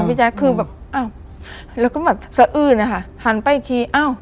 แจ๊คคือแบบอ้าวแล้วก็แบบสะอื้นนะคะหันไปอีกทีอ้าว